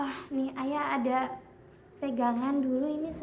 oh nih ayah ada pegangan dulu ini se